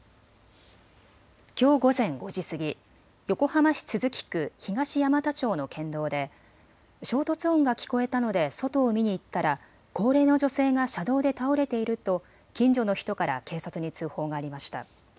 きょう午前５時過ぎ、横浜市都筑区東山田町の県道で衝突音が聞こえたので外を見に行ったら高齢の女性が車道で倒れていると近所の人から警察に通報がありました。